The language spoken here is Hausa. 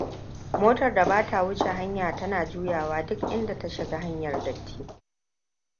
Motar da bata wuce hanya tana juyawa duk inda ta shiga hanyar datti.